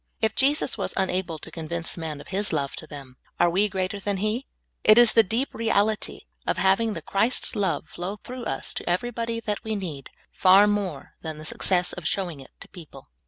If Jesus was unable to convince men of His love to them, are we greater than He? It is the deep reality of having the Christ love flow through us to everybody that we need, far more than the success of showing it to people.